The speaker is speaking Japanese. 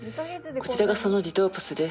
こちらがそのリトープスです。